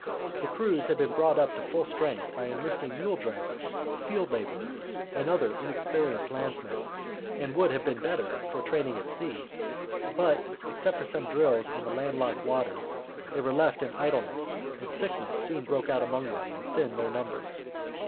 The crews had been brought up to full strength by enlisting mule drivers, field labourers, and other inexperienced landsmen, and would have been better for training at sea; but except for some drills on the landlocked waters they were left in idleness, and sickness soon broke out among them and thinned their numbers.